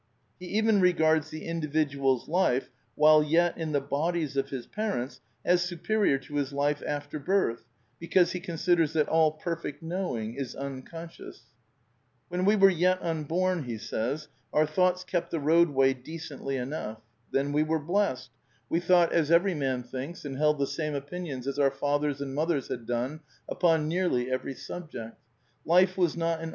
He even regards the individual's life while yet in the \ bodies of his parents as superior to his life after birth, be \ cause he considers that all perfect knowing is unconscious, i "When we were yet unborn our thoughts kept the roadway decently enough; then we were blessed: we thought as every PAN PSYCHISM OF SAMUEL BUTLER 21 man thinks, and held the same opinions as our fathers and mothers had done upon nearly every subject. Life was not an